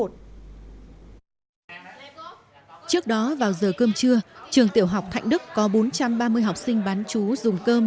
trước đó vào giờ cơm trưa trường tiểu học thạnh đức có bốn trăm ba mươi học sinh bán chú dùng cơm